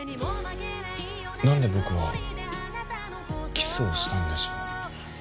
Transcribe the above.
何で僕はキスをしたんでしょう？